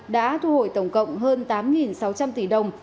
đã thu hồi tổng cộng hơn tám sáu trăm linh tỷ đồng